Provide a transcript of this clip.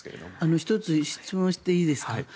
１つ質問していいですか？